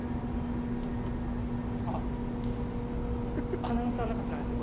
アナウンサー泣かせなんですよ。